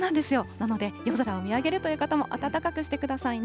なので、夜空を見上げるという方も暖かくしてくださいね。